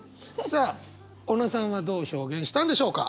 さあ小野さんはどう表現したんでしょうか？